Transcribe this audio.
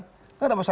tidak ada masalah kan